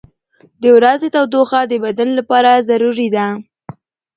• د ورځې تودوخه د بدن لپاره ضروري ده.